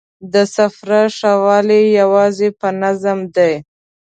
د سفر ښه والی یوازې په نظم دی.